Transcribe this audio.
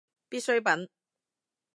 必需品